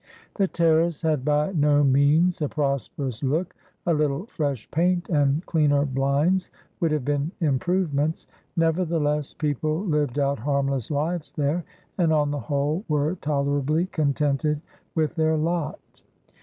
The Terrace had by no means a prosperous look, a little fresh paint and cleaner blinds would have been improvements. Nevertheless, people lived out harmless lives there, and on the whole were tolerably contented with their lot.